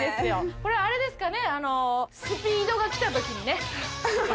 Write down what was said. これあれですかね。